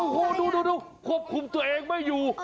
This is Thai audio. โอ้โหดูควบคุมตัวเองไม่อยู่